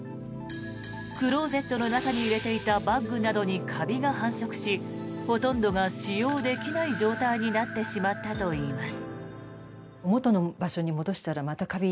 クローゼットの中に入れていたバッグなどにカビが繁殖しほとんどが使用できない状態になってしまったといいます。